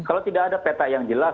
kalau tidak ada peta yang jelas